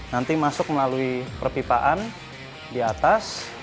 nanti masuk melalui perpipaan di atas